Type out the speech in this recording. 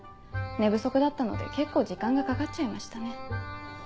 寝不足だったので結構時間がかかっちゃいましたね。